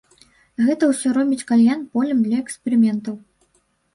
Гэта ўсё робіць кальян полем для эксперыментаў.